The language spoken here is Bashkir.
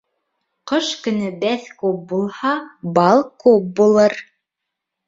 Ҡыш көнө бәҫ күп булһа, бал күп булыр.